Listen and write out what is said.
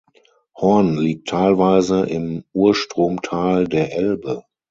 Horn liegt teilweise im Urstromtal der Elbe.